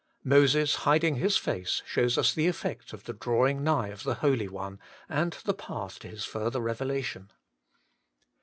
Moses hiding his face shows us the effect of the drawing nigh of the Holy One, and the path to His further revelation.